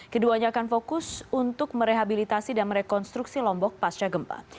keduanya akan fokus untuk merehabilitasi dan merekonstruksi lombok pasca gempa